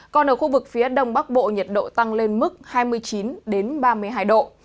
còn ở khu vực phía đông bắc bộ nhiệt độ tăng lên mức hai mươi chín ba mươi hai độ